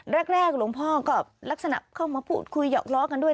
แรกหลวงพ่อก็ลักษณะเข้ามาพูดคุยหยอกล้อกันด้วย